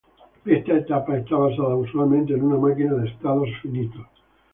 Esta etapa está basada usualmente en una máquina de estados finitos.